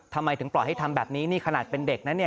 ทำไมถึงปล่อยให้ทำแบบนี้นี่ขนาดเป็นเด็กนะเนี่ย